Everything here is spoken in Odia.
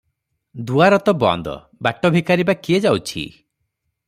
ଦୁଆର ତ ବନ୍ଦ, ଭାଟଭିକାରୀ ବା କିଏ ଯାଉଛି?